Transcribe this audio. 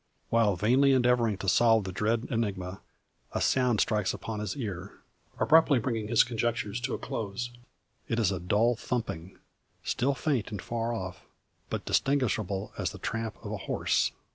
While vainly endeavouring to solve the dread enigma, a sound strikes upon his ear, abruptly bringing his conjectures to a close. It is a dull thumping, still faint and far off; but distinguishable as the tramp of a horse.